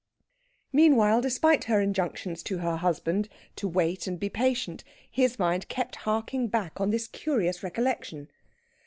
Meanwhile, despite her injunctions to her husband to wait and be patient, his mind kept harking back on this curious recollection.